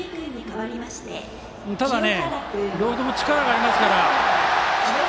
ただ、両方とも力がありますから。